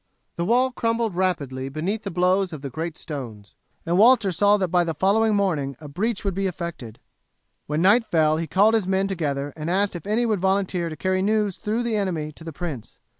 The wall crumbled rapidly beneath the blows of the great stones, and Walter saw that by the following morning a breach would be effected. When night fell he called his men together and asked if any would volunteer to carry news through the enemy to the prince.